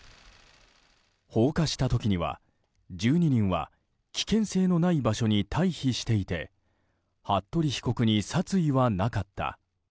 放火した時には１２人は、危険性のない場所に退避していて服部被告に殺意はなかった。